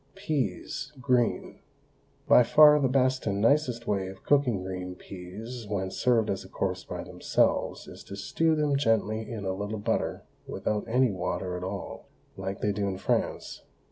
PEAS, GREEN. By far the best and nicest way of cooking green peas when served as a course by themselves is to stew them gently in a little butter without any water at all, like they do in France.